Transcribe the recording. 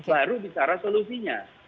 baru bicara solusinya